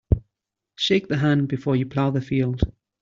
Shake the hand before you plough the field.